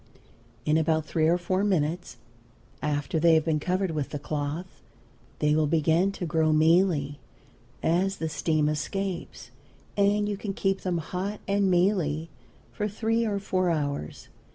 In about three or four minutes after they have been covered with the cloth they will begin to grow mealy, as the steam escapes; and you can keep them hot and mealy for three or four hours.